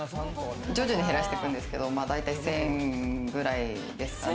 徐々に減らしていくんですけど、だいたい１０００ぐらいですかね。